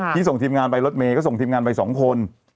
ที่ส่งทีมงานไปรถเมย์ก็ส่งทีมงานไป๒คน